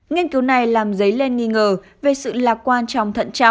nghiên cứu này làm rấy lên nghi ngờ về sự lạc quan trong thận trọng của bệnh nhân